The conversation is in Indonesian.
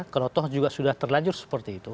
kerotoh juga sudah terlanjur seperti itu